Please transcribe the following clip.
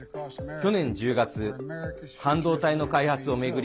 去年１０月半導体の開発を巡り